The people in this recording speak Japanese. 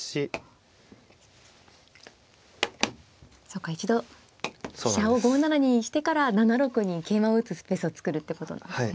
そうか一度飛車を５七にしてから７六に桂馬を打つスペースを作るってことなんですね。